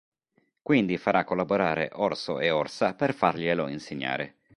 Quindi farà collaborare Orso e Orsa per farglielo insegnare.